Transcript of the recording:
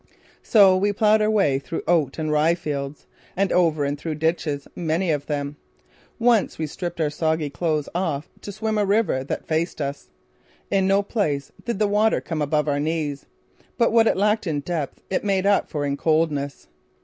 So we plowed our way through oat and rye fields and over and through ditches many of them. Once we stripped our soggy clothes off to swim a river that faced us. In no place did the water come above our knees; but what it lacked in depth, it made up for in coldness.